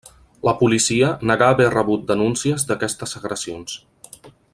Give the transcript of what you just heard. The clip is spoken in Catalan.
La policia negà haver rebut denúncies d'aquestes agressions.